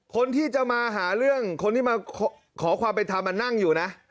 คนที่จะมาหาเรื่องคนที่มาขอความเป็นธรรมนั่งอยู่นะ